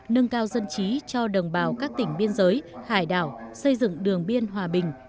nâng cao dân trí cho đồng bào các tỉnh biên giới hải đảo xây dựng đường biên hòa bình